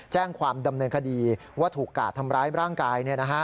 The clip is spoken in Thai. แจ้งความดำเนินคดีว่าถูกกาดทำร้ายร่างกาย